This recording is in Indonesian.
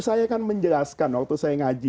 saya kan menjelaskan waktu saya ngaji